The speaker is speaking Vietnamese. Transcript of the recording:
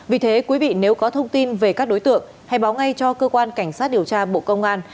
vì thế quý vị nếu có thông tin về các đối tượng hãy báo ngay cho cơ quan cảnh sát điều tra bộ công an